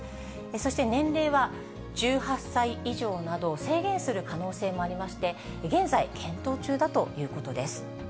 そして年齢は１８歳以上など、制限する可能性もありまして、現在、検討中だということです。